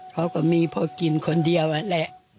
เขาก็มีเพราะกินคนเดียวแหละ